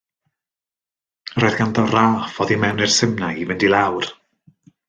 Yr oedd ganddo raff oddi mewn i'r simnai i fynd i lawr.